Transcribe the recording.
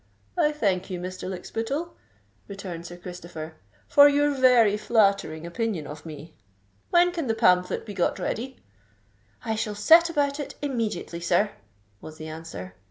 "I thank you, Mr. Lykspittal," returned Sir Christopher, "for your very flattering opinion of me. When can the pamphlet be got ready?" "I shall set about it immediately, sir," was the answer.